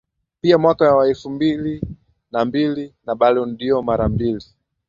Pia mwaka wa elfu mbili na mbili na Ballon dOr mara mbili